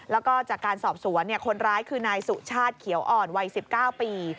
แล้วก็จากการสอบสวนคนร้ายคือนายสุชาติเขียวอ่อนวัย๑๙ปี